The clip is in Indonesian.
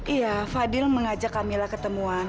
iya fadil mengajak camillah ketemuan